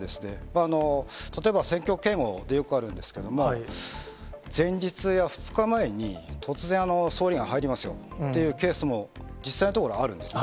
実効性という意味ではですね、例えば選挙警護でよくあるんですけれども、前日や２日前に突然、総理が入りますよっていうケースも実際のところあるんですね。